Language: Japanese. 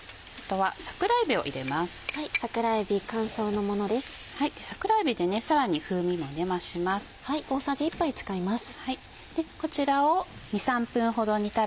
はい。